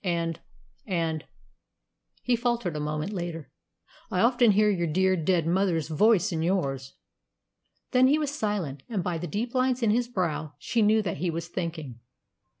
And and," he faltered a moment later, "I often hear your dear dead mother's voice in yours." Then he was silent, and by the deep lines in his brow she knew that he was thinking.